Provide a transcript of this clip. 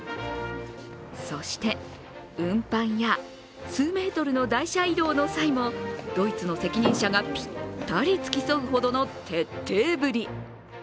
そして、運搬や数メートルの台車移動の際もドイツの責任者がぴったり付き添うほどの徹底ぶり。